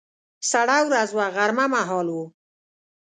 سړه ورځ وه، غرمه مهال و.